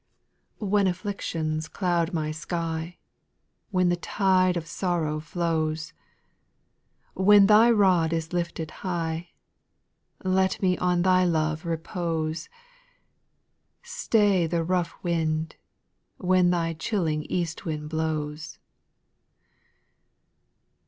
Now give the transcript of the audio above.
^ When afflictions cloud my sky, When the tide of sorrow flows, When Thy rod is lifted high, Let me on Thy love repose, — Stay the rough wind, When Thy chilling east wind blows.